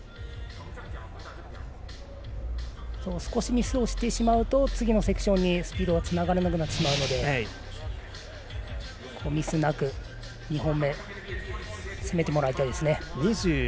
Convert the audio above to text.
少しミスをしてしまうと次のセクションにスピードがつながらなくなるのでミスなく２本目攻めてもらいたいです。